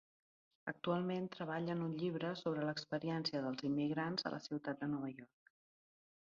Actualment treballa en un llibre sobre l'experiència dels immigrants a la ciutat de Nova York.